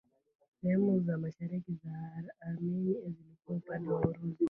Sehemu za mashariki za Armenia zilikuwa upande wa Urusi.